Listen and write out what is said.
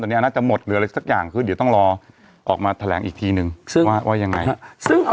นี่จะต้องรอออกมาแถลงอีกทีนึงว่ายังไง